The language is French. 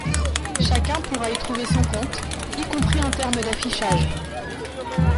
Chacun pourra y trouver son compte, y compris en termes d’affichage.